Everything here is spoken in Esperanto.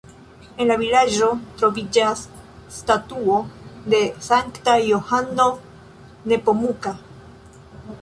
En la vilaĝo troviĝas statuo de Sankta Johano Nepomuka.